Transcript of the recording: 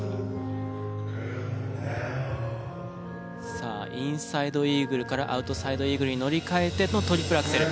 さあインサイドイーグルからアウトサイドイーグルに乗り換えてのトリプルアクセル。